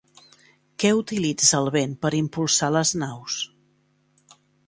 Què utilitza el vent per impulsar les naus?